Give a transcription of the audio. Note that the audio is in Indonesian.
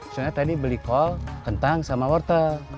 soalnya tadi beli kol kentang sama wortel